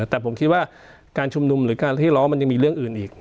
แต่ผมคิดว่าการชุมนุมหรือการเรียกร้องมันยังมีเรื่องอื่นอีก